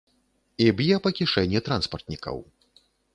І б'е па кішэні транспартнікаў.